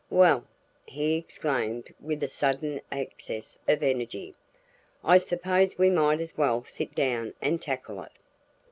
"Well!" he exclaimed with a sudden access of energy, "I suppose we might as well sit down and tackle it."